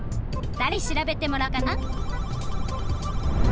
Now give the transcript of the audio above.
だれに調べてもらおうかな？